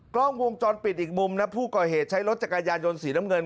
กล้องวงจรปิดอีกมุมนะผู้ก่อเหตุใช้รถจักรยานยนต์สีน้ำเงิน